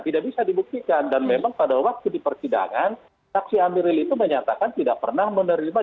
tidak bisa dibuktikan dan memang pada waktu di persidangan saksi amiril itu menyatakan tidak pernah menerima